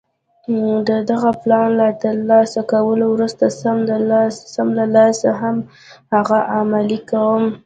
د دغه پلان له ترلاسه کولو وروسته سم له لاسه هغه عملي کوم.